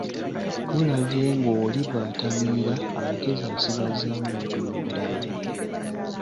Tulabye ng'oli bw'atamiira amagezi asigazaamu matono ddala.